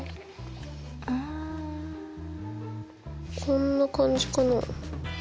こんな感じかな？